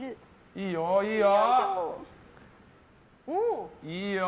いいよ、いいよ！